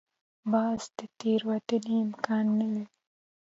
باز د تېروتنې امکان نه لري